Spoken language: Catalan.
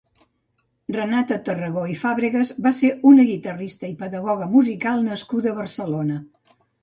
Renata Tarragó i Fàbregas va ser una guitarrista i pedagoga musical nascuda a Barcelona.